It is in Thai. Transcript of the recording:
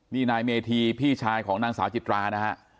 นี่นายเมธีพี่ชายของนางสาวจิตรานะฮะ